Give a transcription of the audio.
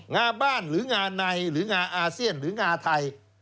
งาบ้านหรืองาในหรืองาอาเซียนหรืองาไทย